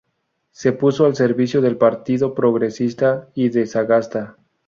Se puso al servicio del Partido Progresista y de Sagasta.